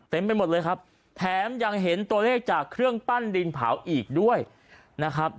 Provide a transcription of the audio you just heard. ไปหมดเลยครับแถมยังเห็นตัวเลขจากเครื่องปั้นดินเผาอีกด้วยนะครับ